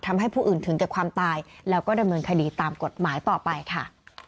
ทำให้ผู้อื่นถึงแก่ความตายแล้วก็ดำเนินคดีตามกฎหมายต่อไปค่ะ